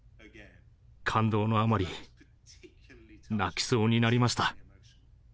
感動のあまり泣きそうになりました。